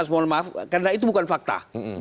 artinya karena itu bukan fakta